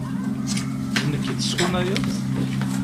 D nekk i d-teskunayeḍ?